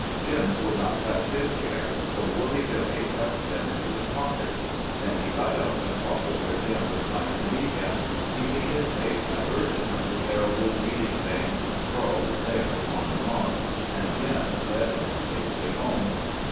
Jim would not touch his share, so Woolly Billy tucked them into his pocket. Then he got up and followed where Jim was trying to lead him, keeping his face averted from the terrible, bleeding thing sprawled there upon the moss. And Jim led him safely home.